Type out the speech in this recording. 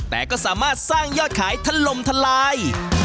แต่ก็สามารถสร้างยอดขายทะลมทลาย